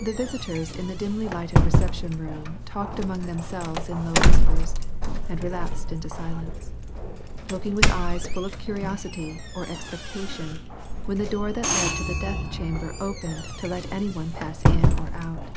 The visitors in the dimly lighted reception room talked among themselves in low whisi>ers and relapsed into silence, looking with eyes full of curiosity or expectation when the door that led into the death chamber opened to let any one pass in or out.